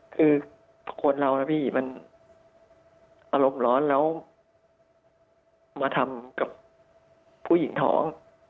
คือคนเรานะพี่มันอารมณ์ร้อนแล้วมาทำกับผู้หญิงท้อง